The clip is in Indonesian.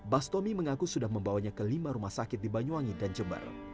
bastomi mengaku sudah membawanya ke lima rumah sakit di banyuwangi dan jember